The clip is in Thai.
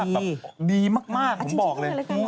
สุภาพดีมากผมบอกเลย